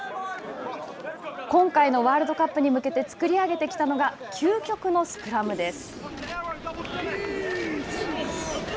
今回のワールドカップに向けて作り上げてきたのが究極のスクラムです。